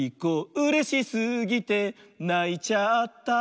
「うれしすぎてないちゃった」